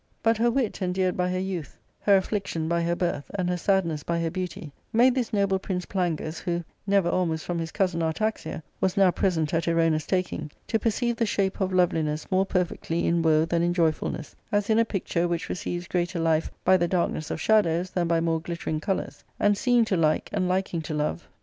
" But her wit, endeared by her youth, her affliction by her birth, and her sadness by her beauty, made this noble Prince / Plangus, who — never almost from his cousin Artaxia — was now present at Erona's taking, to perceive the shape of loveliness more perfectly in woe than in joyfulness, as in a picture which receives greater life by the darkness of shadows than by more glittering colours, and seeing to like, and liking to love, and^ y